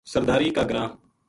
سرداری کا گراں